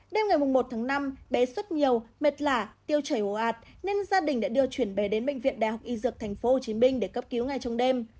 đêm ngày một năm bé xuất nhiều mệt lả tiêu chảy hồ ạt nên gia đình đã đưa chuyển bé đến bệnh viện đh y dược tp hcm để cấp cứu ngay trong đêm